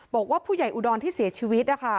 บอกว่าผู้ใหญ่อุดรที่เสียชีวิตนะคะ